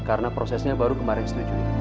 karena prosesnya baru kemarin setuju